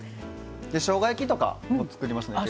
しょうが焼きとかも作りますね。